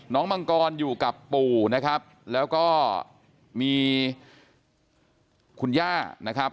มังกรอยู่กับปู่นะครับแล้วก็มีคุณย่านะครับ